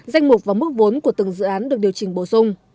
danh mục và mức vốn của từng dự án được điều chỉnh bổ sung